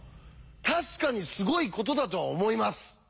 確かにすごいことだとは思います。